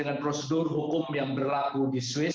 pihak kepolisian menyampaikan berbagai berkas yang berlaku di swiss